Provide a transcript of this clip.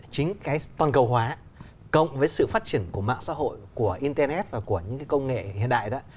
chính cái toàn cầu hóa cộng với sự phát triển của mạng xã hội của internet và của những cái công nghệ hiện đại đó